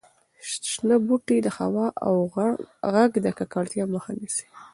شنه بوټي د هوا او غږ د ککړتیا مخه نیسي.